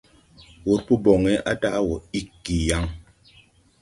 Wurpo boŋe á daʼ wɔ iggi yaŋ.